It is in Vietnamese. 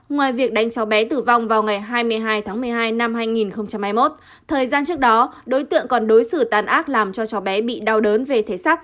ngoài việc đánh cháu bé tử vong vào ngày hai mươi hai tháng một mươi hai năm hai nghìn hai mươi một thời gian trước đó đối tượng còn đối xử tàn ác làm cho cháu bé bị đau đớn về thể sắc